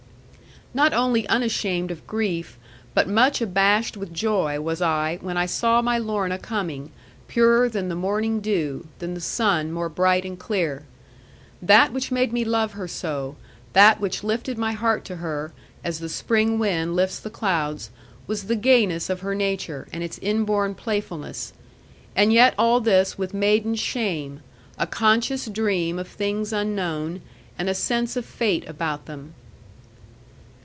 Not only unashamed of grief, but much abashed with joy, was I, when I saw my Lorna coming, purer than the morning dew, than the sun more bright and clear. That which made me love her so, that which lifted my heart to her, as the Spring wind lifts the clouds, was the gayness of her nature, and its inborn playfulness. And yet all this with maiden shame, a conscious dream of things unknown, and a sense of fate about them.